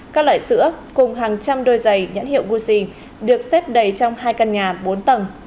các loại sữa cùng hàng trăm đôi giày nhãn hiệu gosi được xếp đầy trong hai căn nhà bốn tầng